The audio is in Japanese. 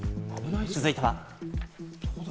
続いては。